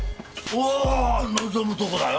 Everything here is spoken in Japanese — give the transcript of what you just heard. おう望むとこだよ。